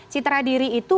citra diri itu